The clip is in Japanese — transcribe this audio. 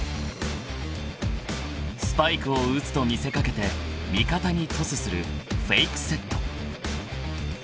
［スパイクを打つと見せかけて味方にトスするフェイクセット］